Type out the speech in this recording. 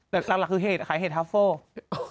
แต่ดักหลักคือขายเห็ดทัฟเฟิล